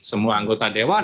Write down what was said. semua anggota dewan